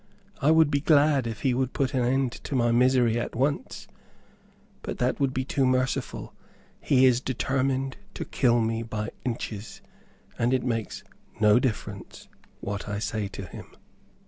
I would be glad if he would put an end to my misery at once, but that would be too merciful. He is determined to kill me by inches, and it makes no difference what I say to him."